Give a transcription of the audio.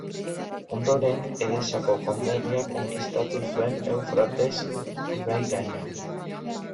Ondoren, Edesako Konderria konkistatu zuen Eufrates ibairaino.